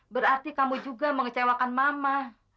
berarti kamu juga mengecewakan mama